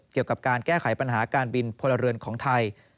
เกี่ยวกับการแก้ไขปัญหาการบินพลเรือนของไทย